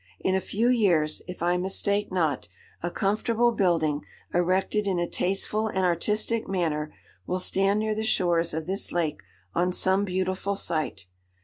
In a few years, if I mistake not, a comfortable building, erected in a tasteful and artistic manner, will stand near the shores of this lake on some beautiful site.